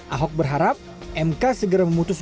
ahok berharap mk segera memutus